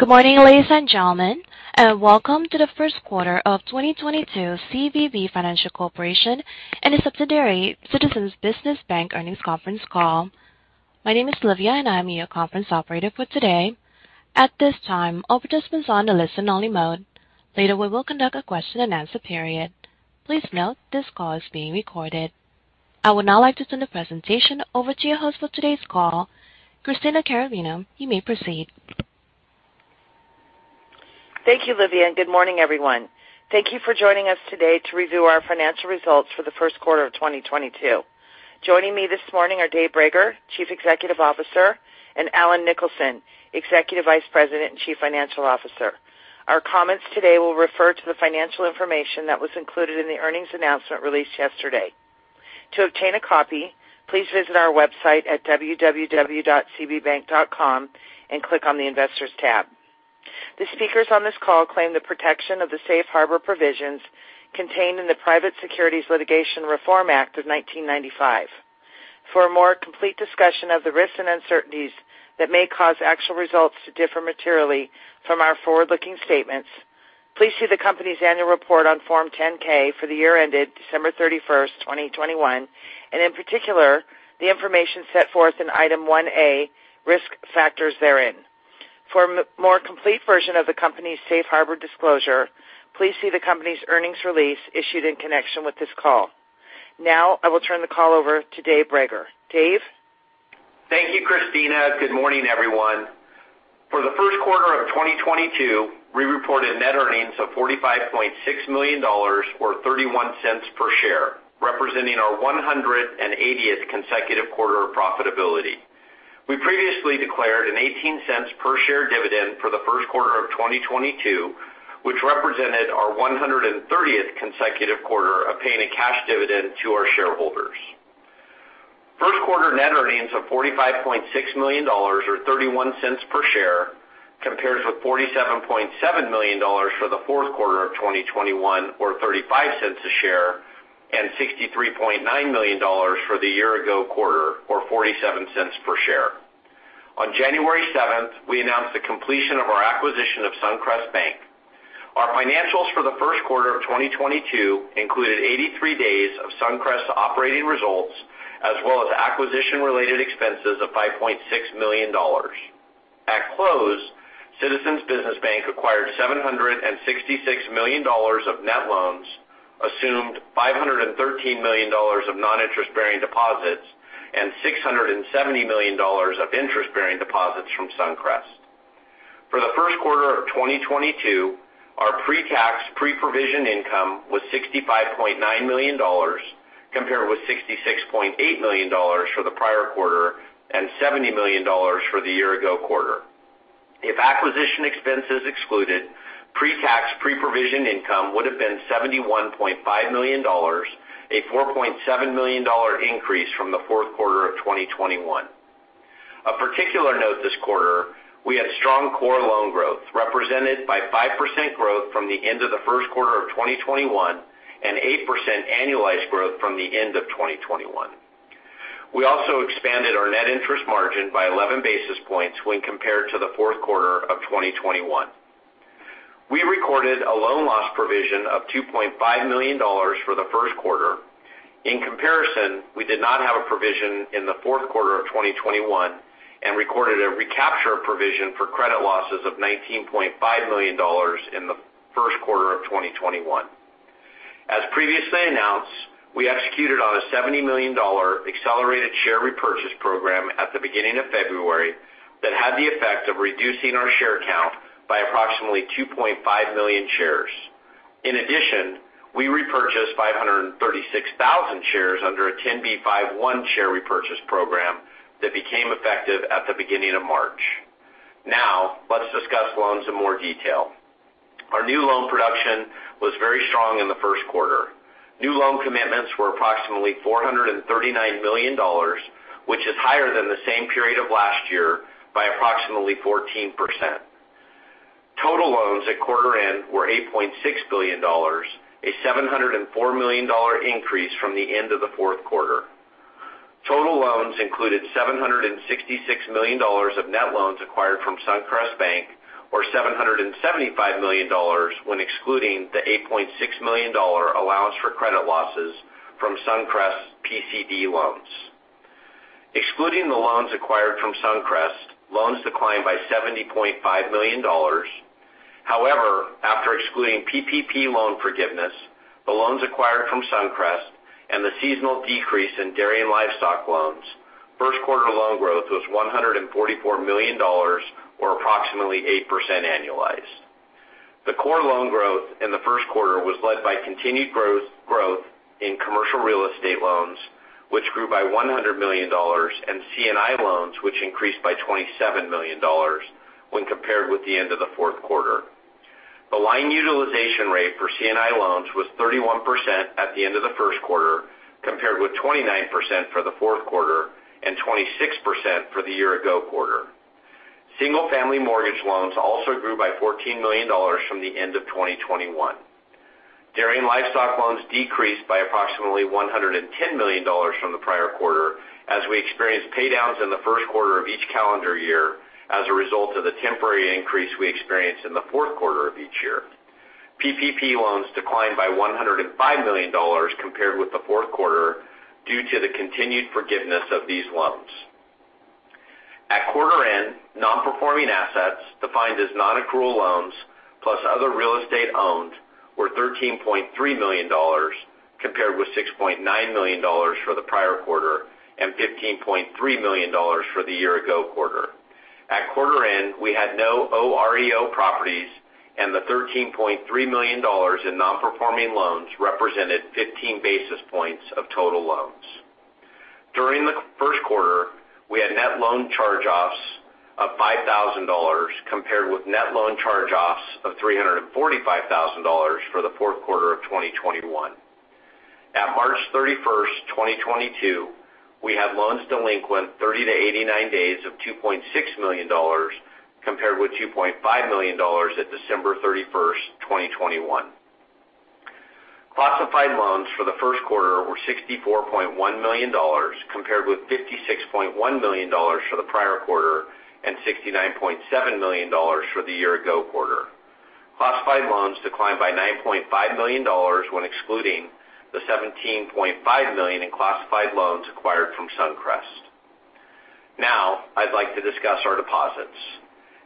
Good morning, ladies and gentlemen, and welcome to the 1st quarter of 2022 CVB Financial Corporation and its subsidiary, Citizens Business Bank, earnings conference call. My name is Olivia, and I am your conference operator for today. At this time, all participants are on a listen-only mode. Later, we will conduct a question-and-answer period. Please note this call is being recorded. I would now like to turn the presentation over to your host for today's call, Christina Carrabino. You may proceed. Thank you, Olivia, and good morning, everyone. Thank you for joining us today to review our financial results for the 1st quarter of 2022. Joining me this morning are Dave Brager, Chief Executive Officer, and Allen Nicholson, Executive Vice President and Chief Financial Officer. Our comments today will refer to the financial information that was included in the earnings announcement released yesterday. To obtain a copy, please visit our website at www.cbbank.com and click on the Investors tab. The speakers on this call claim the protection of the safe harbor provisions contained in the Private Securities Litigation Reform Act of 1995. For a more complete discussion of the risks and uncertainties that may cause actual results to differ materially from our forward-looking statements, please see the company's annual report on Form 10-K for the year ended December 31st, 2021, and in particular, the information set forth in Item 1A, Risk Factors therein. For a more complete version of the company's safe harbor disclosure, please see the company's earnings release issued in connection with this call. Now, I will turn the call over to Dave Brager. Dave? Thank you, Christina. Good morning, everyone. For the 1st quarter of 2022, we reported net earnings of $45.6 million or $0.31 per share, representing our 180th consecutive quarter of profitability. We previously declared a $0.18 per share dividend for the 1st quarter of 2022, which represented our 130th consecutive quarter of paying a cash dividend to our shareholders. First quarter net earnings of $45.6 million or $0.31 per share compares with $47.7 million for the 4th quarter of 2021 or 35 cents a share, and $63.9 million for the year-ago quarter or $0.47 per share. On January 7th, we announced the completion of our acquisition of Suncrest Bank. Our financials for the 1st quarter of 2022 included 83 days of SunCrest's operating results, as well as acquisition-related expenses of $5.6 million. At close, Citizens Business Bank acquired $766 million of net loans, assumed $513 million of noninterest-bearing deposits, and $670 million of interest-bearing deposits from SunCrest. For the 1st quarter of 2022, our pre-tax, pre-provision income was $65.9 million, compared with $66.8 million for the prior quarter and $70 million for the year-ago quarter. If acquisition expenses excluded, pre-tax, pre-provision income would have been $71.5 million, a $4.7 million dollar increase from the 4th quarter of 2021. Of particular note this quarter, we had strong core loan growth represented by 5% growth from the end of the 1st quarter of 2021 and 8% annualized growth from the end of 2021. We also expanded our net interest margin by 11 basis points when compared to the 4th quarter of 2021. We recorded a loan loss provision of $2.5 million for the 1st quarter. In comparison, we did not have a provision in the 4th quarter of 2021 and recorded a recapture of provision for credit losses of $19.5 million in the 1st quarter of 2021. As previously announced, we executed on a $70 million accelerated share repurchase program at the beginning of February that had the effect of reducing our share count by approximately 2.5 million shares. In addition, we repurchased 536,000 shares under a 10b5-1 share repurchase program that became effective at the beginning of March. Now, let's discuss loans in more detail. Our new loan production was very strong in the 1st quarter. New loan commitments were approximately $439 million, which is higher than the same period of last year by approximately 14%. Total loans at quarter-end were $8.6 billion, a $704 million increase from the end of the 4th quarter. Total loans included $766 million of net loans acquired from Suncrest Bank, or $775 million when excluding the $8.6 million allowance for credit losses from Suncrest's PCD loans. Excluding the loans acquired from Suncrest, loans declined by $70.5 million. However, after excluding PPP loan forgiveness, the loans acquired from SunCrest and the seasonal decrease in dairy and livestock loans, 1st quarter loan growth was $144 million or approximately 8% annualized. The core loan growth in the 1st quarter was led by continued growth in commercial real estate loans, which grew by $100 million, and C&I loans, which increased by $27 million when compared with the end of the 4th quarter. The line utilization rate for C&I loans was 31% at the end of the 1st quarter, compared with 29% for the 4th quarter and 26% for the year-ago quarter. Single-family mortgage loans also grew by $14 million from the end of 2021. Dairy and livestock loans decreased by approximately $110 million from the prior quarter as we experienced paydowns in the 1st quarter of each calendar year as a result of the temporary increase we experienced in the 4th quarter of each year. PPP loans declined by $105 million compared with the 4th quarter due to the continued forgiveness of these loans. At quarter end, non-performing assets defined as nonaccrual loans plus other real estate owned were $13.3 million compared with $6.9 million for the prior quarter and $15.3 million for the year ago quarter. At quarter end, we had no OREO properties, and the $13.3 million in non-performing loans represented 15 basis points of total loans. During the 1st quarter, we had net loan charge-offs of $5,000 compared with net loan charge-offs of $345,000 for the 4th quarter of 2021. At March 31st, 2022, we had loans delinquent 30-89 days of $2.6 million compared with $2.5 million at December 31st, 2021. Classified loans for the 1st quarter were $64.1 million compared with $56.1 million for the prior quarter and $69.7 million for the year ago quarter. Classified loans declined by $9.5 million when excluding the $17.5 million in classified loans acquired from SunCrest. Now I'd like to discuss our deposits.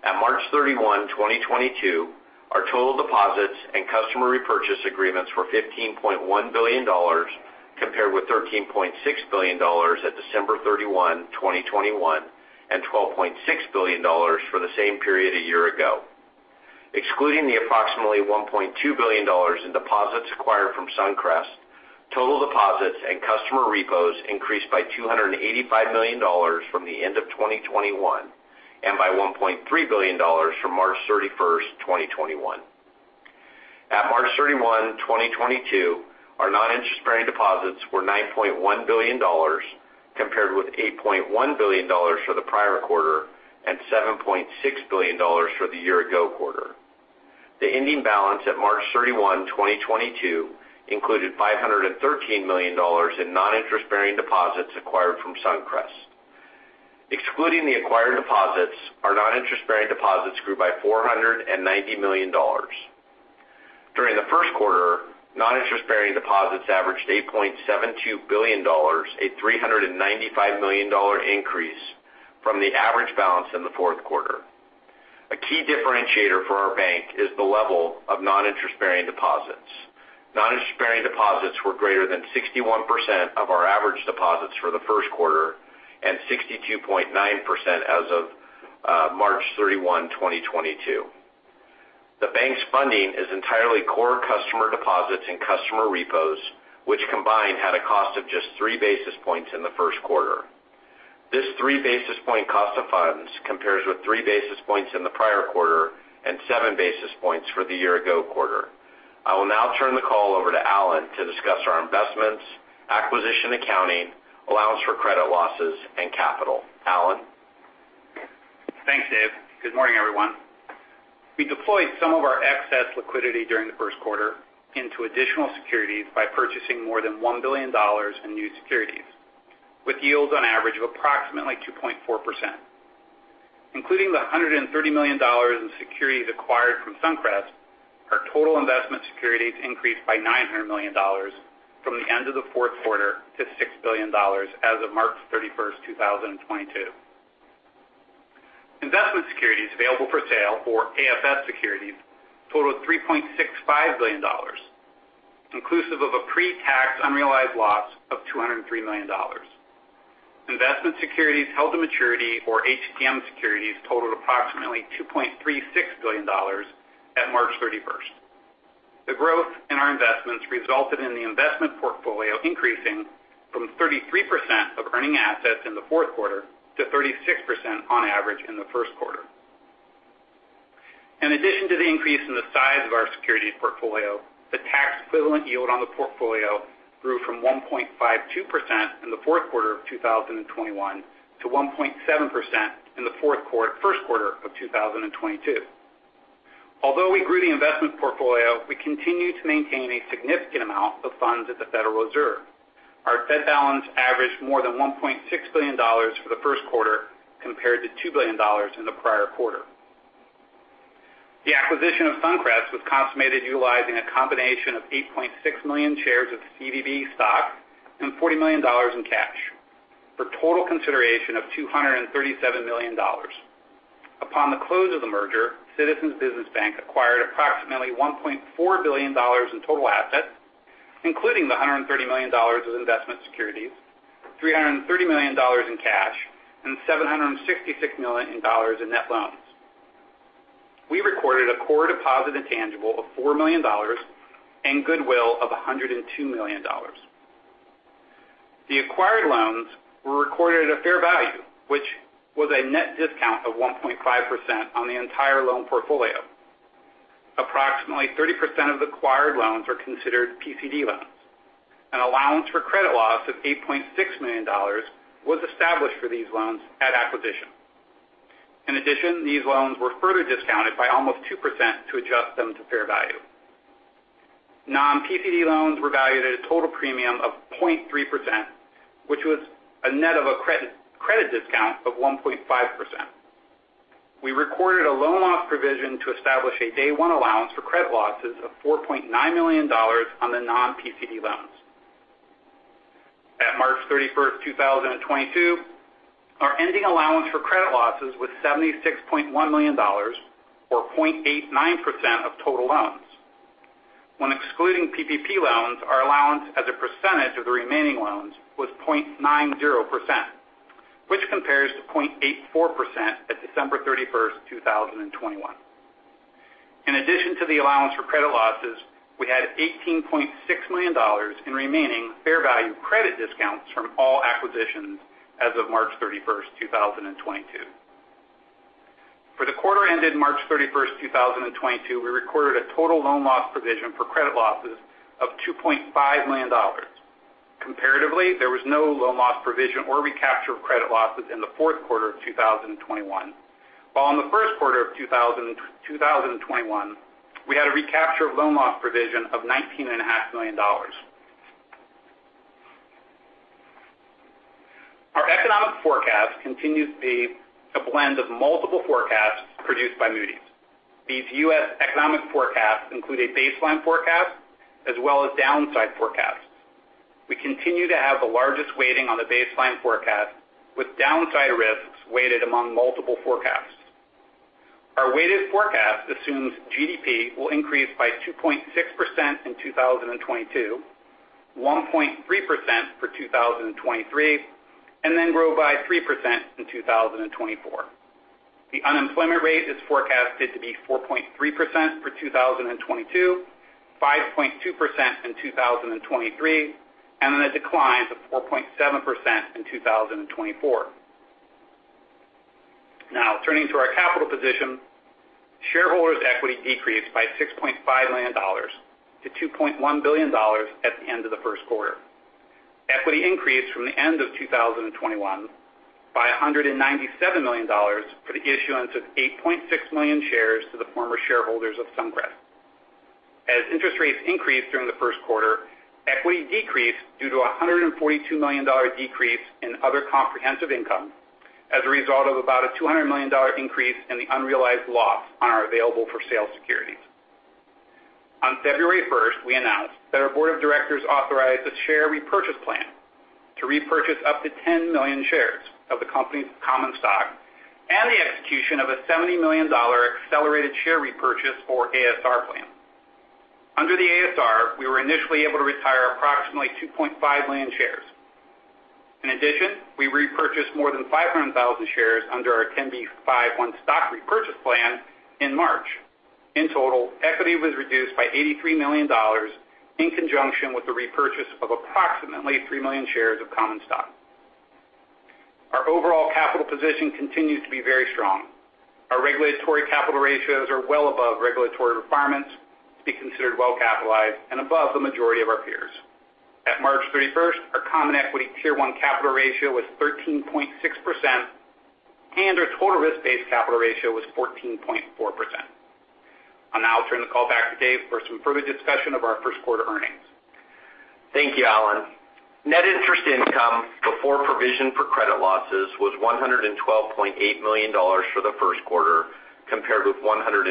At March 31, 2022, our total deposits and customer repurchase agreements were $15.1 billion compared with $13.6 billion at December 31, 2021, and $12.6 billion for the same period a year ago. Excluding the approximately $1.2 billion in deposits acquired from SunCrest, total deposits and customer repos increased by $285 million from the end of 2021 and by $1.3 billion from March 31st, 2021. At March 31, 2022, our noninterest-bearing deposits were $9.1 billion compared with $8.1 billion for the prior quarter and $7.6 billion for the year ago quarter. The ending balance at March 31, 2022 included $513 million in noninterest-bearing deposits acquired from SunCrest. Excluding the acquired deposits, our noninterest-bearing deposits grew by $490 million. During the 1st quarter, noninterest-bearing deposits averaged $8.72 billion, a $395 million increase from the average balance in the 4th quarter. A key differentiator for our bank is the level of noninterest-bearing deposits. Noninterest-bearing deposits were greater than 61% of our average deposits for the 1st quarter and 62.9% as of March 31, 2022. The bank's funding is entirely core customer deposits and customer repos, which combined had a cost of just three basis points in the 1st quarter. This three basis point cost of funds compares with three basis points in the prior quarter and seven basis points for the year ago quarter. I will now turn the call over to Allen to discuss our investments, acquisition accounting, allowance for credit losses, and capital. Allen? Thanks, Dave. Good morning, everyone. We deployed some of our excess liquidity during the 1st quarter into additional securities by purchasing more than $1 billion in new securities, with yields on average of approximately 2.4%. Including the $130 million in securities acquired from SunCrest, our total investment securities increased by $900 million from the end of the 4th quarter to $6 billion as of March 31st, 2022. Investment securities available for sale or AFS securities totaled $3.65 billion, inclusive of a pre-tax unrealized loss of $203 million. Investment securities held to maturity or HTM securities totaled approximately $2.36 billion at March 31st. The growth in our investments resulted in the investment portfolio increasing from 33% of earning assets in the 4th quarter to 36% on average in the 1st quarter. In addition to the increase in the size of our securities portfolio, the tax-equivalent yield on the portfolio grew from 1.52% in the 4th quarter of 2021 to 1.7% in the 1st quarter of 2022. Although we grew the investment portfolio, we continue to maintain a significant amount of funds at the Federal Reserve. Our Fed balance averaged more than $1.6 billion for the 1st quarter compared to $2 billion in the prior quarter. The acquisition of SunCrest was consummated utilizing a combination of 8.6 million shares of CBB stock and $40 million in cash for total consideration of $237 million. Upon the close of the merger, Citizens Business Bank acquired approximately $1.4 billion in total assets, including $130 million of investment securities, $330 million in cash, and $766 million in net loans. We recorded a core deposit intangible of $4 million and goodwill of $102 million. The acquired loans were recorded at a fair value, which was a net discount of 1.5% on the entire loan portfolio. Approximately 30% of acquired loans are considered PCD loans. An allowance for credit loss of $8.6 million was established for these loans at acquisition. In addition, these loans were further discounted by almost 2% to adjust them to fair value. Non-PCD loans were valued at a total premium of 0.3%, which was a net of a credit discount of 1.5%. We recorded a loan loss provision to establish a day one allowance for credit losses of $49 million on the non-PCD loans. At March 31st, 2022, our ending allowance for credit losses was $76.1 million or 0.89% of total loans. When excluding PPP loans, our allowance as a percentage of the remaining loans was 0.9%, which compares to 0.84% at December 31st, 2021. In addition to the allowance for credit losses, we had $18.6 million in remaining fair value credit discounts from all acquisitions as of March 31st, 2022. For the quarter ended March 31st, 2022, we recorded a total loan loss provision for credit losses of $2.5 million. Comparatively, there was no loan loss provision or recapture of credit losses in the 4th quarter of 2021. While in the 1st quarter of 2021, we had a recapture of loan loss provision of $19.5 million. Our economic forecast continues to be a blend of multiple forecasts produced by Moody's. These U.S. economic forecasts include a baseline forecast as well as downside forecasts. We continue to have the largest weighting on the baseline forecast with downside risks weighted among multiple forecasts. Our weighted forecast assumes GDP will increase by 2.6% in 2022, 1.3% for 2023, and then grow by 3% in 2024. The unemployment rate is forecasted to be 4.3% for 2022, 5.2% in 2023, and then a decline to 4.7% in 2024. Now, turning to our capital position, shareholders' equity decreased by $6.5 million-$2.1 billion at the end of the 1st quarter. Equity increased from the end of 2021 by $197 million for the issuance of 8.6 million shares to the former shareholders of SunCrest. As interest rates increased during the 1st quarter, equity decreased due to a $142 million decrease in other comprehensive income as a result of about a $200 million increase in the unrealized loss on our available-for-sale securities. On February 1st, we announced that our board of directors authorized a share repurchase plan to repurchase up to 10 million shares of the company's common stock and the execution of a $70 million accelerated share repurchase or ASR plan. Under the ASR, we were initially able to retire approximately 2.5 million shares. In addition, we repurchased more than 500,000 shares under our 10b5-1 stock repurchase plan in March. In total, equity was reduced by $83 million in conjunction with the repurchase of approximately 3 million shares of common stock. Our overall capital position continues to be very strong. Our regulatory capital ratios are well above regulatory requirements to be considered well capitalized and above the majority of our peers. At March 31st, our common equity Tier 1 capital ratio was 13.6%, and our total risk-based capital ratio was 14.4%. I'll now turn the call back to Dave for some further discussion of our 1st quarter earnings. Thank you, Allen. Net interest income before provision for credit losses was $112.8 million for the 1st quarter, compared with $102.4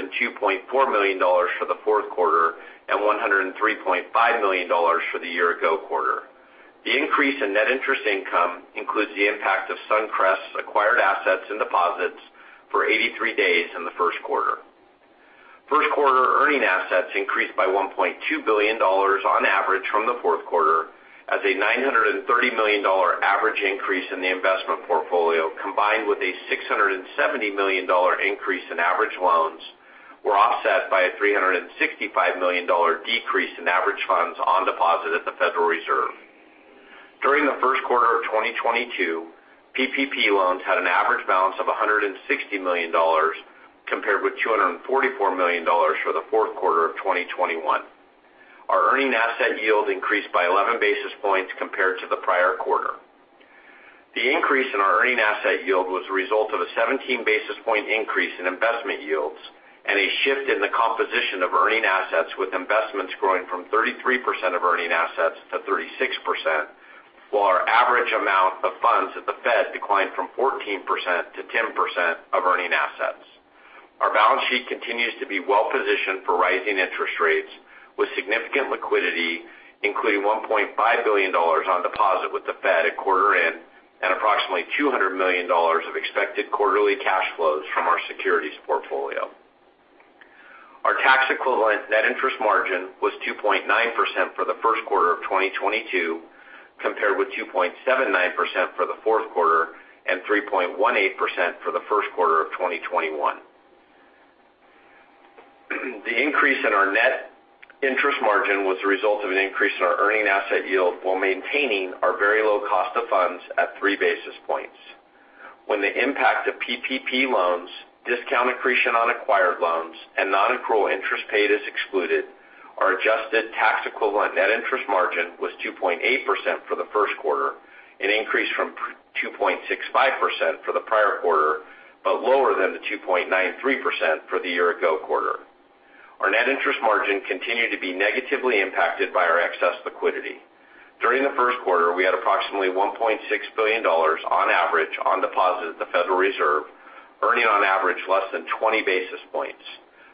million for the 4th quarter and $103.5 million for the year-ago quarter. The increase in net interest income includes the impact of SunCrest's acquired assets and deposits for 83 days in the 1st quarter. First quarter earning assets increased by $1.2 billion on average from the 4th quarter as a $930 million average increase in the investment portfolio, combined with a $670 million increase in average loans, were offset by a $365 million decrease in average funds on deposit at the Federal Reserve. During the 1st quarter of 2022, PPP loans had an average balance of $160 million compared with $244 million for the 4th quarter of 2021. Our earning asset yield increased by 11 basis points compared to the prior quarter. The increase in our earning asset yield was a result of a 17 basis point increase in investment yields and a shift in the composition of earning assets, with investments growing from 33% of earning assets to 36%, while our average amount of funds at the Fed declined from 14%-10% of earning assets. Our balance sheet continues to be well-positioned for rising interest rates with significant liquidity, including $1.5 billion on deposit with the Fed at quarter end and approximately $200 million of expected quarterly cash flows from our securities portfolio. Our tax equivalent net interest margin was 2.9% for the 1st quarter of 2022, compared with 2.79% for the 4th quarter and 3.18% for the 1st quarter of 2021. The increase in our net interest margin was the result of an increase in our earning asset yield while maintaining our very low cost of funds at three basis points. When the impact of PPP loans, discount accretion on acquired loans, and non-accrual interest paid is excluded. Our adjusted tax equivalent net interest margin was 2.8% for the 1st quarter, an increase from 2.65% for the prior quarter, but lower than the 2.93% for the year ago quarter. Our net interest margin continued to be negatively impacted by our excess liquidity. During the 1st quarter, we had approximately $1.6 billion on average on deposit at the Federal Reserve, earning on average less than 20 basis points.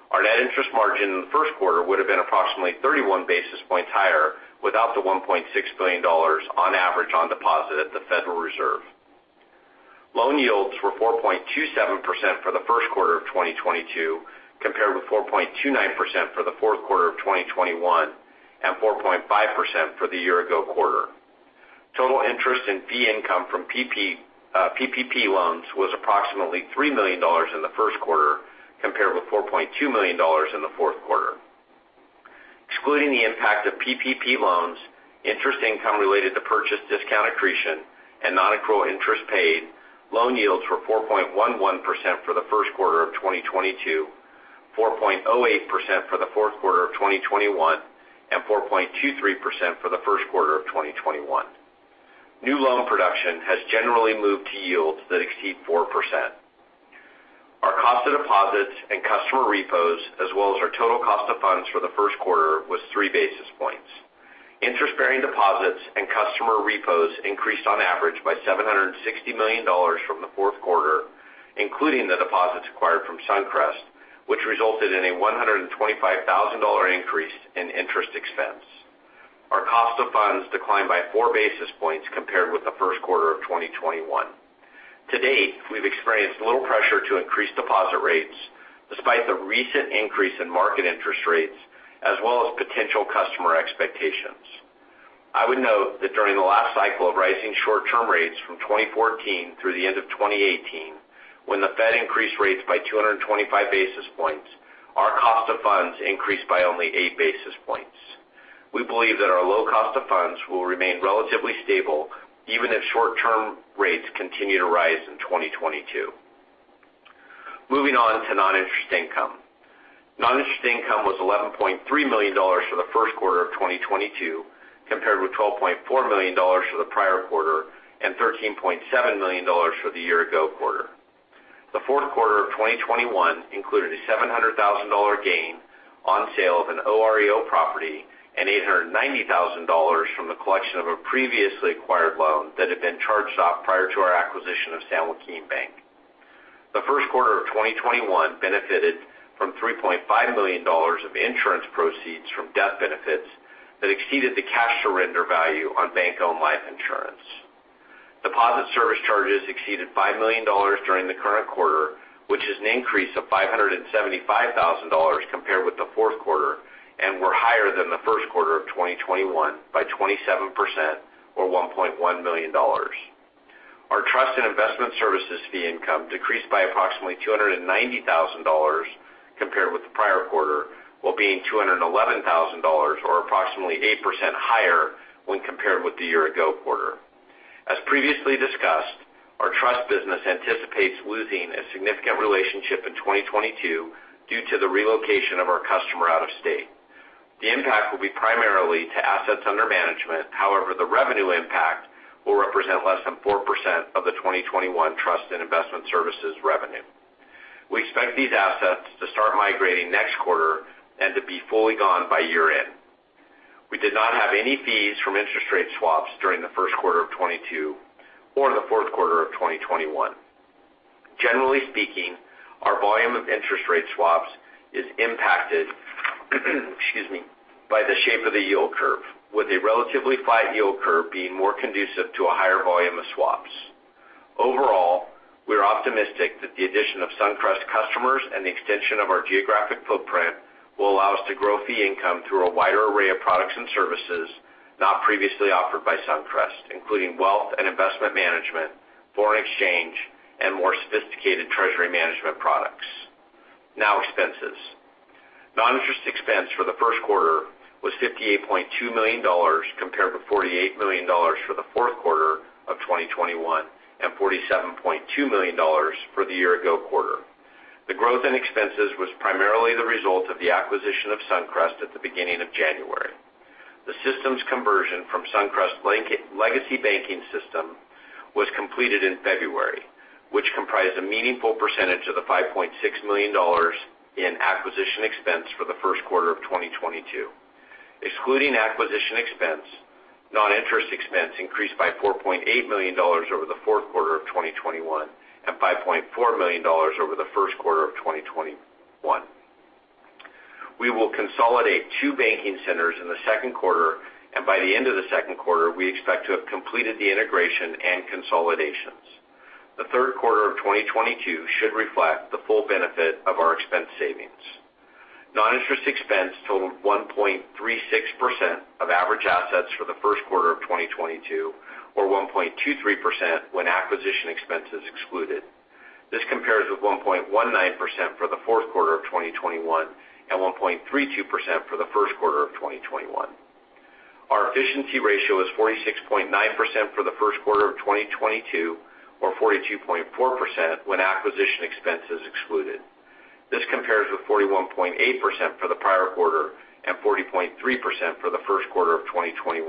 Our net interest margin in the 1st quarter would have been approximately 31 basis points higher without the $1.6 billion on average on deposit at the Federal Reserve. Loan yields were 4.27% for the 1st quarter of 2022, compared with 4.29% for the 4th quarter of 2021 and 4.5% for the year-ago quarter. Total interest and fee income from PPP loans was approximately $3 million in the 1st quarter compared with $4.2 million in the 4th quarter. Excluding the impact of PPP loans, interest income related to purchase discount accretion and non-accrual interest paid, loan yields were 4.11% for the 1st quarter of 2022, 4.08% for the 4th quarter of 2021, and 4.23% for the 1st quarter of 2021. New loan production has generally moved to yields that exceed 4%. Our cost of deposits and customer repos, as well as our total cost of funds for the 1st quarter, was 3 basis points. Interest-bearing deposits and customer repos increased on average by $760 million from the 4th quarter, including the deposits acquired from SunCrest, which resulted in a $125,000 increase in interest expense. Our cost of funds declined by 4 basis points compared with the 1st quarter of 2021. To date, we've experienced little pressure to increase deposit rates despite the recent increase in market interest rates as well as potential customer expectations. I would note that during the last cycle of rising short-term rates from 2014 through the end of 2018, when the Fed increased rates by 225 basis points, our cost of funds increased by only 8 basis points. We believe that our low cost of funds will remain relatively stable even if short-term rates continue to rise in 2022. Moving on to noninterest income. Noninterest income was $11.3 million for the 1st quarter of 2022, compared with $12.4 million for the prior quarter and $13.7 million for the year ago quarter. The 4th quarter of 2021 included a $700,000 gain on sale of an OREO property and $890,000 from the collection of a previously acquired loan that had been charged off prior to our acquisition of San Joaquin Bank. The 1st quarter of 2021 benefited from $3.5 million of insurance proceeds from death benefits that exceeded the cash surrender value on bank-owned life insurance. Deposit service charges exceeded $5 million during the current quarter, which is an increase of $575,000 compared with the 4th quarter and were higher than the 1st quarter of 2021 by 27% or $1.1 million. Our trust and investment services fee income decreased by approximately $290,000 compared with the prior quarter, while being $211,000 or approximately 8% higher when compared with the year ago quarter. As previously discussed, our trust business anticipates losing a significant relationship in 2022 due to the relocation of our customer out of state. The impact will be primarily to assets under management. However, the revenue impact will represent less than 4% of the 2021 trust and investment services revenue. We expect these assets to start migrating next quarter and to be fully gone by year-end. We did not have any fees from interest rate swaps during the 1st quarter of 2022 or in the 4th quarter of 2021. Generally speaking, our volume of interest rate swaps is impacted, excuse me, by the shape of the yield curve, with a relatively flat yield curve being more conducive to a higher volume of swaps. Overall, we're optimistic that the addition of SunCrest customers and the extension of our geographic footprint will allow us to grow fee income through a wider array of products and services not previously offered by SunCrest, including wealth and investment management, foreign exchange, and more sophisticated treasury management products. Now expenses. Noninterest expense for the 1st quarter was $58.2 million, compared with $48 million for the 4th quarter of 2021 and $47.2 million for the year ago quarter. The growth in expenses was primarily the result of the acquisition of Suncrest Bank at the beginning of January. The systems conversion from Suncrest Bank's legacy banking system was completed in February, which comprised a meaningful percentage of the $5.6 million in acquisition expense for the 1st quarter of 2022. Excluding acquisition expense, noninterest expense increased by $4.8 million over the 4th quarter of 2021 and $5.4 million over the 1st quarter of 2021. We will consolidate two banking centers in the 2nd quarter, and by the end of the 2nd quarter, we expect to have completed the integration and consolidations. The 3rd quarter of 2022 should reflect the full benefit of our expense savings. Noninterest expense totaled 1.36% of average assets for the 1st quarter of 2022, or 1.23% when acquisition expense is excluded. This compares with 1.19% for the 4th quarter of 2021 and 1.32% for the 1st quarter of 2021. Our efficiency ratio is 46.9% for the 1st quarter of 2022, or 42.4% when acquisition expense is excluded. This compares with 41.8% for the prior quarter and 40.3% for the 1st quarter of 2021.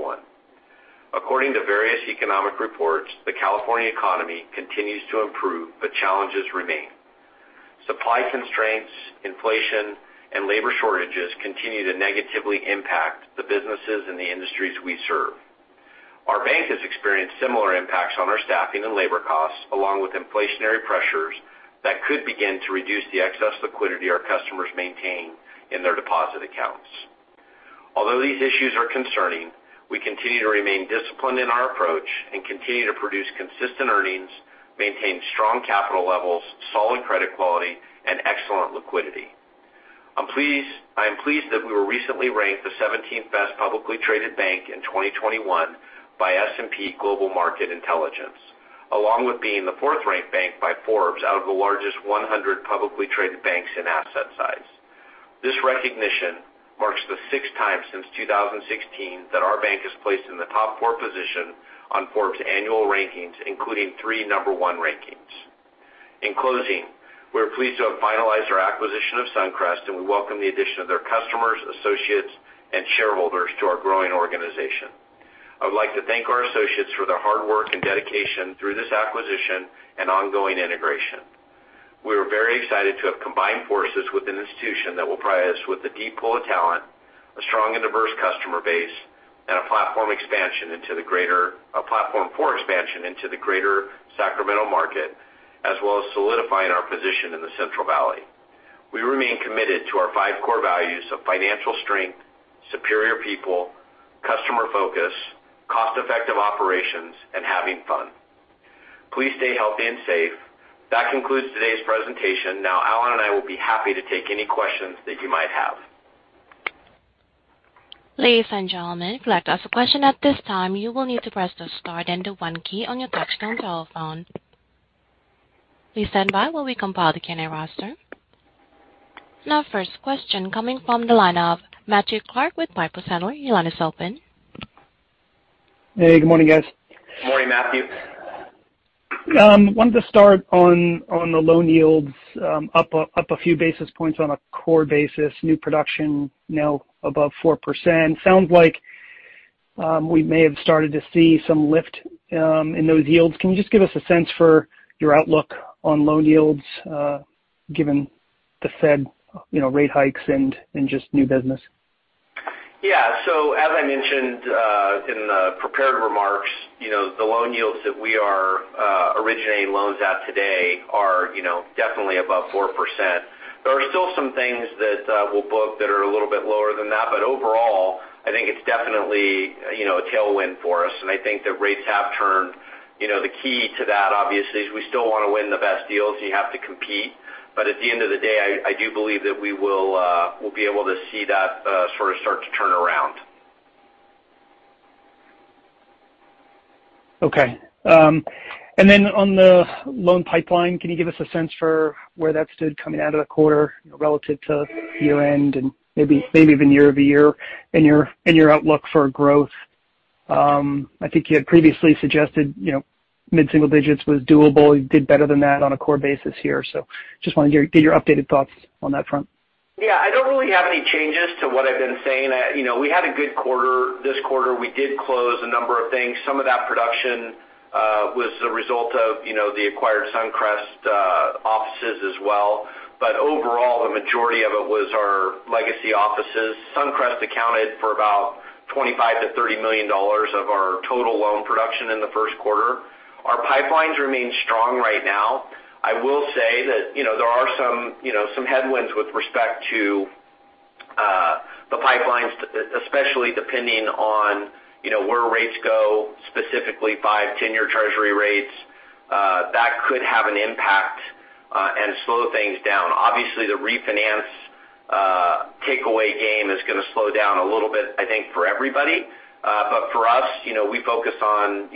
According to various economic reports, the California economy continues to improve, but challenges remain. Supply constraints, inflation, and labor shortages continue to negatively impact the businesses and the industries we serve. Our bank has experienced similar impacts on our staffing and labor costs, along with inflationary pressures that could begin to reduce the excess liquidity our customers maintain in their deposit accounts. Although these issues are concerning, we continue to remain disciplined in our approach and continue to produce consistent earnings, maintain strong capital levels, solid credit quality, and excellent liquidity. I am pleased that we were recently ranked the 17th best publicly traded bank in 2021 by S&P Global Market Intelligence, along with being the 4th-ranked bank by Forbes out of the largest 100 publicly traded banks in asset size. This recognition marks the 6th time since 2016 that our bank is placed in the top four position on Forbes annual rankings, including three number one rankings. In closing, we are pleased to have finalized our acquisition of SunCrest, and we welcome the addition of their customers, associates, and shareholders to our growing organization. I would like to thank our associates for their hard work and dedication through this acquisition and ongoing integration. We are very excited to have combined forces with an institution that will provide us with a deep pool of talent, a strong and diverse customer base, and a platform for expansion into the Greater Sacramento market, as well as solidifying our position in the Central Valley. We remain committed to our five core values of financial strength, superior people, customer focus, cost-effective operations, and having fun. Please stay healthy and safe. That concludes today's presentation. Now, Allen and I will be happy to take any questions that you might have. Ladies and gentlemen, if you'd like to ask a question at this time, you will need to press the star then the one key on your touchtone telephone. Please stand by while we compile the Q&A roster. Now 1st question coming from the line of Matthew Clark with Piper Sandler. Your line is open. Hey, good morning, guys. Morning, Matthew. Wanted to start on the loan yields, up a few basis points on a core basis, new production now above 4%. Sounds like we may have started to see some lift in those yields. Can you just give us a sense for your outlook on loan yields, given the Fed, you know, rate hikes and just new business? Yeah. As I mentioned in the prepared remarks, you know, the loan yields that we are originating loans at today are, you know, definitely above 4%. There are still some things that we'll book that are a little bit lower than that. But overall, I think it's definitely, you know, a tailwind for us, and I think that rates have turned. You know, the key to that, obviously, is we still wanna win the best deals. You have to compete. But at the end of the day, I do believe that we will be able to see that sort of start to turn around. Okay. Then on the loan pipeline, can you give us a sense for where that stood coming out of the quarter relative to year-end and maybe even year-over-year and your outlook for growth? I think you had previously suggested, you know, mid-single digits was doable. You did better than that on a core basis here. Just wanna get your updated thoughts on that front. Yeah. I don't really have any changes to what I've been saying. You know, we had a good quarter this quarter. We did close a number of things. Some of that production was the result of, you know, the acquired SunCrest offices as well. But overall, the majority of it was our legacy offices. SunCrest accounted for about $25 million-$30 million of our total loan production in the 1st quarter. Our pipelines remain strong right now. I will say that, you know, there are some, you know, some headwinds with respect to the pipelines, especially depending on, you know, where rates go, specifically five and ten-year Treasury rates. That could have an impact and slow things down. Obviously, the refinance takeout game is gonna slow down a little bit, I think, for everybody. You know, we focus on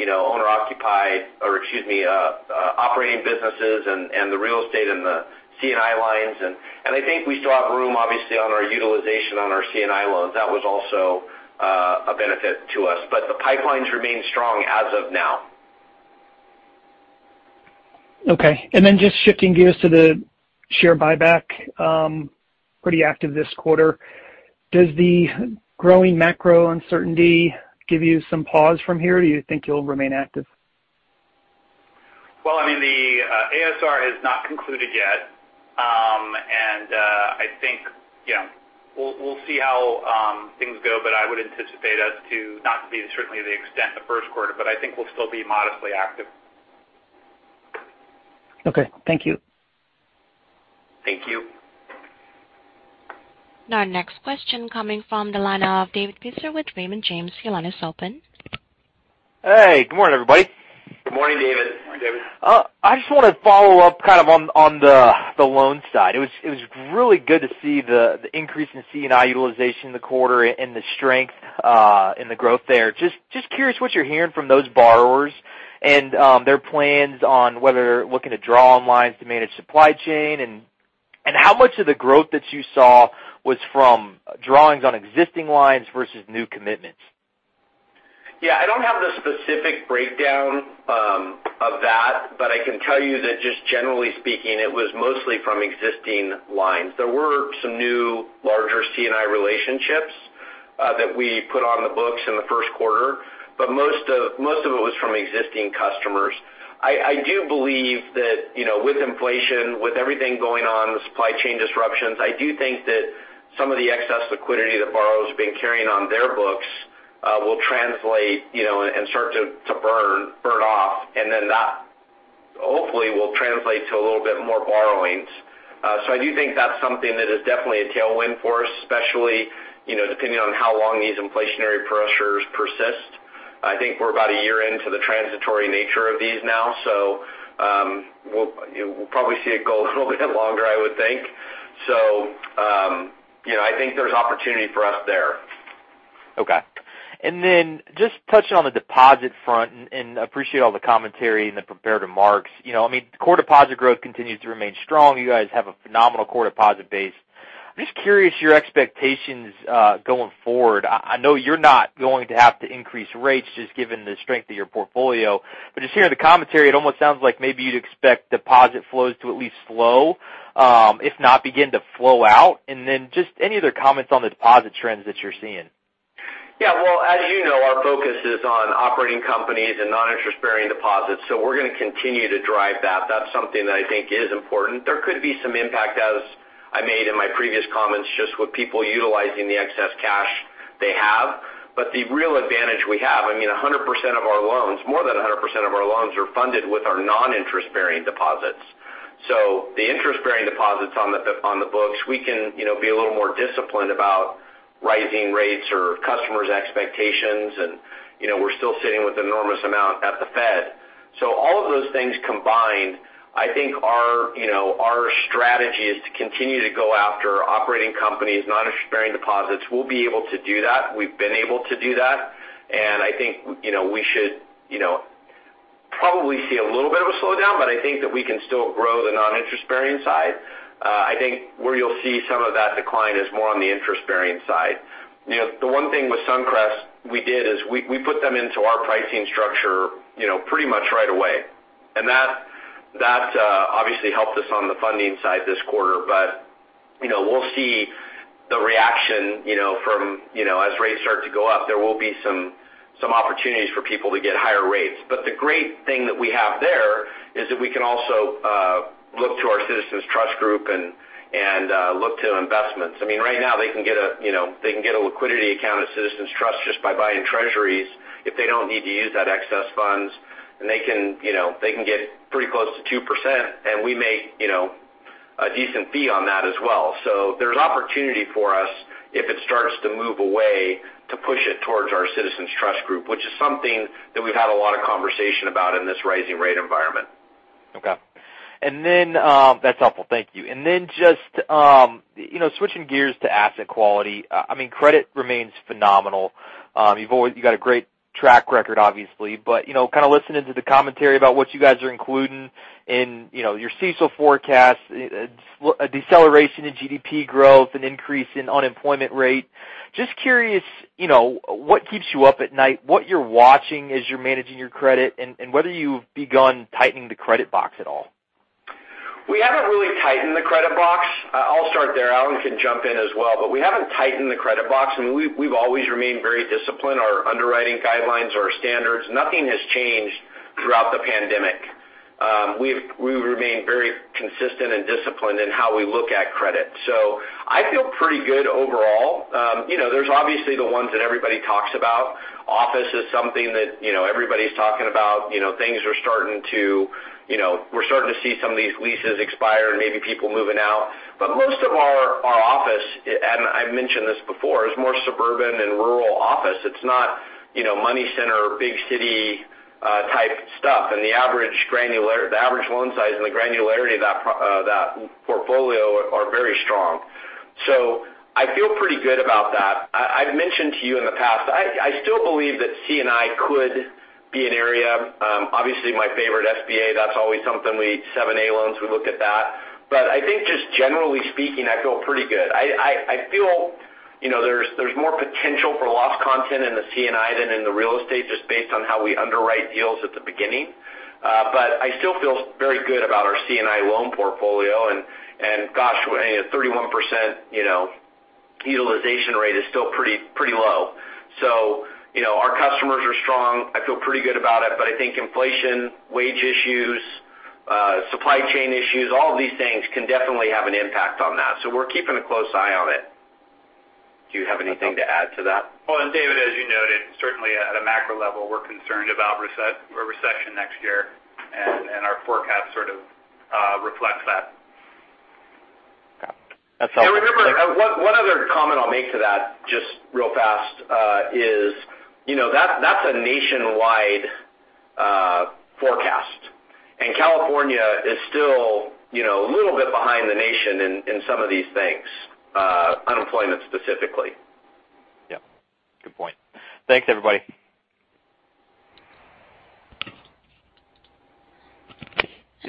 operating businesses and the real estate and the C&I lines. I think we still have room, obviously, on our utilization on our C&I loans. That was also a benefit to us. The pipelines remain strong as of now. Okay. Just shifting gears to the share buyback, pretty active this quarter. Does the growing macro uncertainty give you some pause from here, or do you think you'll remain active? Well, I mean, the ASR has not concluded yet. I think, you know, we'll see how things go, but I would anticipate us to not be certainly the extent the 1st quarter, but I think we'll still be modestly active. Okay. Thank you. Thank you. Now next question coming from the line of David Feaster with Raymond James. Your line is open. Hey, good morning, everybody. Good morning, David. Morning, David. I just wanna follow up kind of on the loan side. It was really good to see the increase in C&I utilization in the quarter and the strength and the growth there. Just curious what you're hearing from those borrowers and their plans on whether they're looking to draw on lines to manage supply chain and how much of the growth that you saw was from drawings on existing lines versus new commitments? Yeah, I don't have the specific breakdown of that, but I can tell you that just generally speaking, it was mostly from existing lines. There were some new larger C&I relationships that we put on the books in the 1st quarter, but most of it was from existing customers. I do believe that, you know, with inflation, with everything going on, the supply chain disruptions, I do think that some of the excess liquidity that borrowers have been carrying on their books will translate, you know, and start to burn off, and then that hopefully will translate to a little bit more borrowings. I do think that's something that is definitely a tailwind for us, especially, you know, depending on how long these inflationary pressures persist. I think we're about a year into the transitory nature of these now, so, you know, we'll probably see it go a little bit longer, I would think. You know, I think there's opportunity for us there. Okay. Just touching on the deposit front, and appreciate all the commentary and the prepared remarks. You know, I mean, core deposit growth continues to remain strong. You guys have a phenomenal core deposit base. I'm just curious your expectations, going forward. I know you're not going to have to increase rates just given the strength of your portfolio. Just hearing the commentary, it almost sounds like maybe you'd expect deposit flows to at least slow, if not begin to flow out. Just any other comments on the deposit trends that you're seeing? Yeah. Well, as you know, our focus is on operating companies and noninterest-bearing deposits, so we're gonna continue to drive that. That's something that I think is important. There could be some impact, as I made in my previous comments, just with people utilizing the excess cash they have. The real advantage we have, I mean, 100% of our loans, more than 100% of our loans are funded with our noninterest-bearing deposits. The interest-bearing deposits on the books, we can, you know, be a little more disciplined about rising rates or customers' expectations and, you know, we're still sitting with enormous amount at the Fed. All of those things combined, I think our, you know, strategy is to continue to go after operating companies, noninterest-bearing deposits. We'll be able to do that. We've been able to do that. I think, you know, we should, you know, probably see a little bit of a slowdown, but I think that we can still grow the noninterest-bearing side. I think where you'll see some of that decline is more on the interest-bearing side. You know, the one thing with SunCrest we did is we put them into our pricing structure, you know, pretty much right away. That obviously helped us on the funding side this quarter. You know, we'll see the reaction, you know, from, you know, as rates start to go up, there will be some opportunities for people to get higher rates. The great thing that we have there is that we can also look to our CitizensTrust group and look to investments. I mean, right now they can get a, you know, they can get a liquidity account at CitizensTrust just by buying treasuries if they don't need to use that excess funds, and they can, you know, they can get pretty close to 2%, and we make, you know, a decent fee on that as well. There's opportunity for us if it starts to move away, to push it towards our CitizensTrust group, which is something that we've had a lot of conversation about in this rising rate environment. Okay. That's helpful. Thank you. Just, you know, switching gears to asset quality, I mean, credit remains phenomenal. You've always you got a great track record, obviously. You know, kind of listening to the commentary about what you guys are including in, you know, your CECL forecast, a deceleration in GDP growth and increase in unemployment rate. Just curious, you know, what keeps you up at night, what you're watching as you're managing your credit, and whether you've begun tightening the credit box at all? We haven't really tightened the credit box. I'll start there. Allen can jump in as well. We haven't tightened the credit box. I mean, we've always remained very disciplined. Our underwriting guidelines, our standards, nothing has changed throughout the pandemic. We've remained very consistent and disciplined in how we look at credit. I feel pretty good overall. You know, there's obviously the ones that everybody talks about. Office is something that, you know, everybody's talking about. You know, things are starting to. You know, we're starting to see some of these leases expire and maybe people moving out. Most of our office, and I mentioned this before, is more suburban and rural office. It's not, you know, money center, big city, type stuff. The average loan size and the granularity of that portfolio are very strong. I feel pretty good about that. I've mentioned to you in the past, I still believe that C&I could be an area. Obviously, my favorite SBA, that's always something seven A loans, we look at that. I think just generally speaking, I feel pretty good. I feel, you know, there's more potential for loss content in the C&I than in the real estate just based on how we underwrite deals at the beginning. I still feel very good about our C&I loan portfolio. Gosh, you know, 31% utilization rate is still pretty low. You know, our customers are strong. I feel pretty good about it. I think inflation, wage issues, supply chain issues, all of these things can definitely have an impact on that, so we're keeping a close eye on it. Do you have anything to add to that? Well, David, as you noted, certainly at a macro level, we're concerned about a recession next year, and our forecast sort of reflects that. Got it. That's all. Remember, one other comment I'll make to that just real fast, is, you know, that's a nationwide forecast. California is still, you know, a little bit behind the nation in some of these things, unemployment specifically. Yeah. Good point. Thanks, everybody.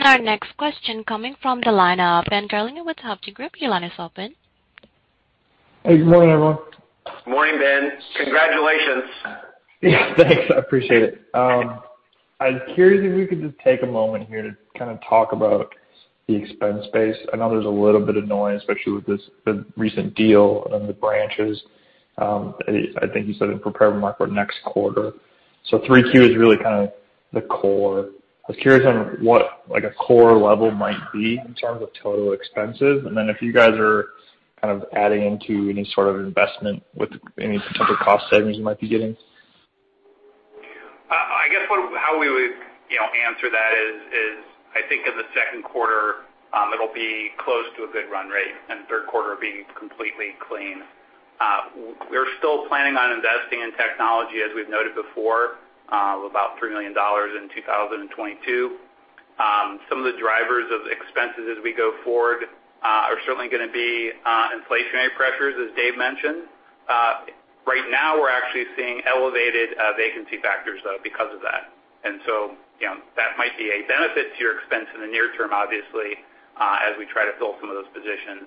Our next question coming from the line of Ben Gerlinger with Hovde Group. Your line is open. Hey, good morning, everyone. Morning, Ben. Congratulations. Yeah, thanks. I appreciate it. I was curious if we could just take a moment here to kind of talk about the expense base. I know there's a little bit of noise, especially with this, the recent deal and the branches. I think you said in prepared remarks next quarter. So 3Q is really kind of the core. I was curious on what, like, a core level might be in terms of total expenses. Then if you guys are kind of adding into any sort of investment with any potential cost savings you might be getting. I guess how we would answer that is I think in the 2nd quarter it'll be close to a good run rate and the 3rd quarter being completely clean. We're still planning on investing in technology, as we've noted before, about $3 million in 2022. Some of the drivers of expenses as we go forward are certainly gonna be inflationary pressures, as Dave mentioned. Right now we're actually seeing elevated vacancy factors, though, because of that. You know, that might be a benefit to your expense in the near term, obviously, as we try to fill some of those positions.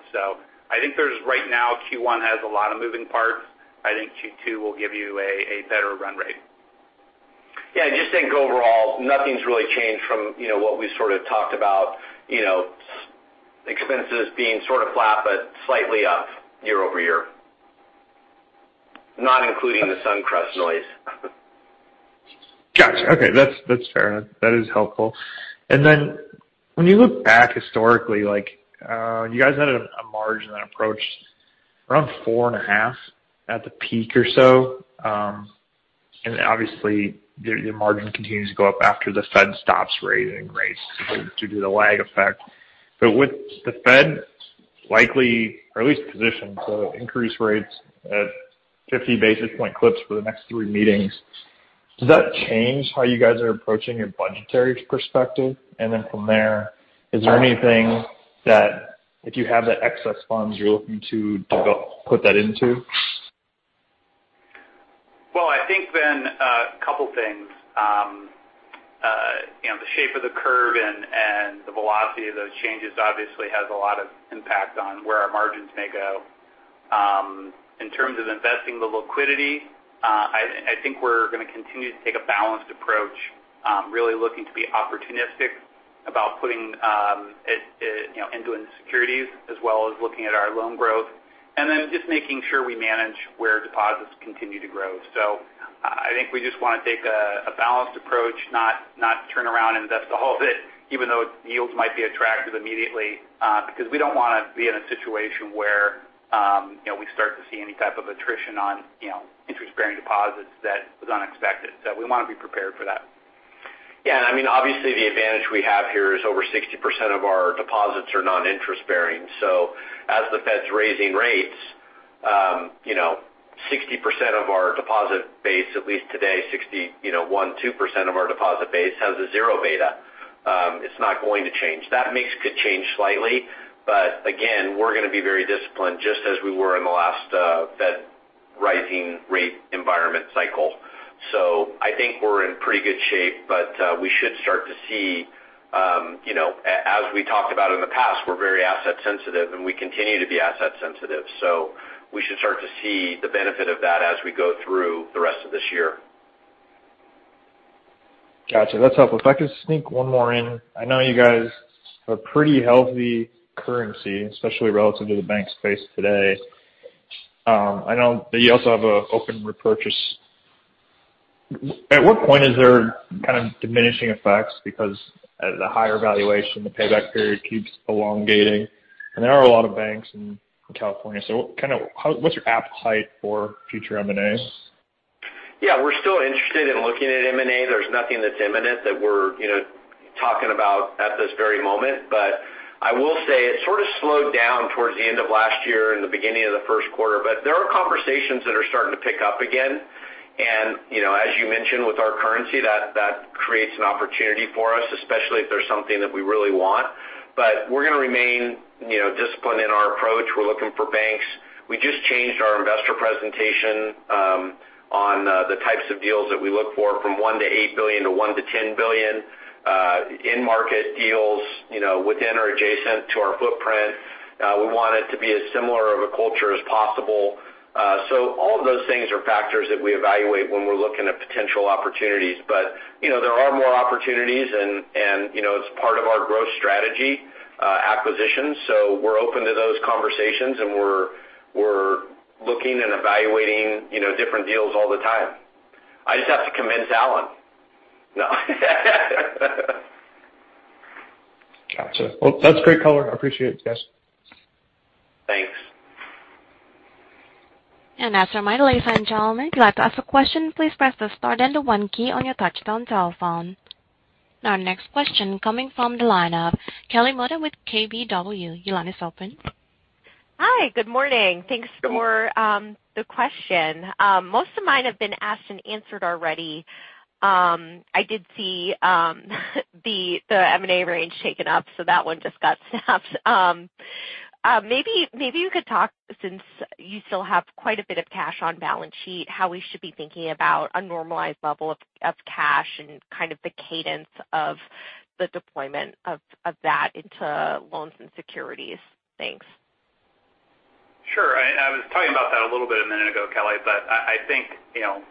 I think right now Q1 has a lot of moving parts. I think Q2 will give you a better run rate. Yeah, I just think overall, nothing's really changed from, you know, what we sort of talked about, you know, expenses being sort of flat but slightly up year-over-year, not including the SunCrest noise. Gotcha. Okay, that's fair. That is helpful. Then when you look back historically, like, you guys had a margin that approached around 4.5 at the peak or so, and obviously your margin continues to go up after the Fed stops raising rates due to the lag effect. With the Fed likely or at least positioned to increase rates at 50 basis point clips for the next three meetings, does that change how you guys are approaching your budgetary perspective? Then from there, is there anything that if you have the excess funds you're looking to go put that into? Well, I think then a couple things. You know, the shape of the curve and the velocity of those changes obviously has a lot of impact on where our margins may go. In terms of investing the liquidity, I think we're gonna continue to take a balanced approach, really looking to be opportunistic about putting it, you know, into securities as well as looking at our loan growth. Just making sure we manage where deposits continue to grow. I think we just wanna take a balanced approach, not turn around and invest the whole bit, even though yields might be attractive immediately, because we don't wanna be in a situation where, you know, we start to see any type of attrition on, you know, interest-bearing deposits that was unexpected. We wanna be prepared for that. Yeah. I mean, obviously the advantage we have here is over 60% of our deposits are noninterest-bearing. As the Fed's raising rates, 60% of our deposit base, at least today, 61%-62% of our deposit base has a zero beta. It's not going to change. That mix could change slightly, but again, we're gonna be very disciplined just as we were in the last Fed rising rate environment cycle. I think we're in pretty good shape, but we should start to see, as we talked about in the past, we're very asset sensitive, and we continue to be asset sensitive. We should start to see the benefit of that as we go through the rest of this year. Gotcha. That's helpful. If I could sneak one more in. I know you guys have pretty healthy currency, especially relative to the bank space today. I know that you also have an open repurchase. At what point is there kind of diminishing effects because at the higher valuation, the payback period keeps elongating, and there are a lot of banks in California. Kind of how, what's your appetite for future M&As? Yeah, we're still interested in looking at M&A. There's nothing that's imminent that we're, you know, talking about at this very moment. I will say it sort of slowed down towards the end of last year and the beginning of the 1st quarter. There are conversations that are starting to pick up again. You know, as you mentioned with our currency, that creates an opportunity for us, especially if there's something that we really want. We're gonna remain, you know, disciplined in our approach. We're looking for banks. We just changed our investor presentation on the types of deals that we look for from $1 billion-$8 billion to $1 billlion-$10 billion, in-market deals, you know, within or adjacent to our footprint. We want it to be as similar of a culture as possible. All of those things are factors that we evaluate when we're looking at potential opportunities. You know, there are more opportunities and, you know, it's part of our growth strategy, acquisition. We're open to those conversations, and we're looking and evaluating, you know, different deals all the time. I just have to convince Allen. No. Gotcha. Well, that's great color. I appreciate it, guys. Thanks. As a reminder, ladies and gentlemen, if you'd like to ask a question, please press the star then the one key on your touchtone telephone. Our next question coming from the line of Kelly Motta with KBW. Your line is open. Hi. Good morning. Thanks for the question. Most of mine have been asked and answered already. I did see the M&A range shaken up, so that one just got snapped. Maybe you could talk since you still have quite a bit of cash on balance sheet, how we should be thinking about a normalized level of cash and kind of the cadence of the deployment of that into loans and securities. Thanks. Sure. I was talking about that a little bit a minute ago, Kelly, but I think, you know,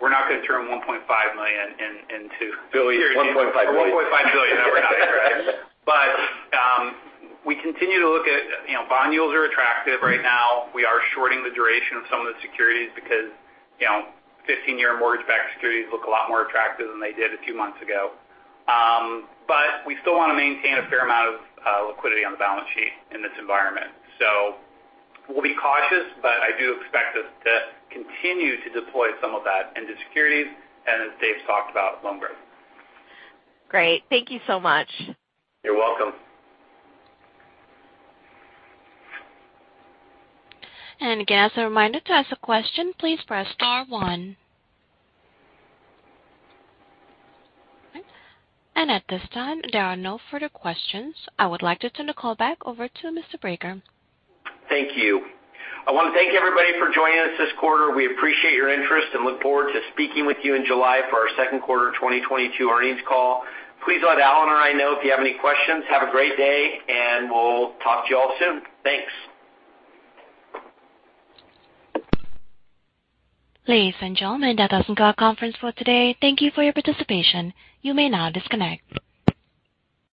we're not gonna turn $1.5 million in, into- Billions. $1.5 billion. $1.5 billion. We continue to look at, you know, bond yields are attractive right now. We are shorting the duration of some of the securities because, you know, 15-year mortgage-backed securities look a lot more attractive than they did a few months ago. We still wanna maintain a fair amount of liquidity on the balance sheet in this environment. We'll be cautious, but I do expect us to continue to deploy some of that into securities and as Dave's talked about, loan growth. Great. Thank you so much. You're welcome. Again, as a reminder, to ask a question, please press star one. All right. At this time, there are no further questions. I would like to turn the call back over to Mr. Brager. Thank you. I wanna thank everybody for joining us this quarter. We appreciate your interest and look forward to speaking with you in July for our 2nd quarter 2022 earnings call. Please let Allen or I know if you have any questions. Have a great day, and we'll talk to you all soon. Thanks. Ladies and gentlemen, that does end our conference for today. Thank you for your participation. You may now disconnect.